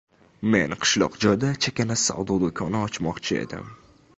Men qiwloq joyda chakana savdo doʻkoni ochmoqchi edim.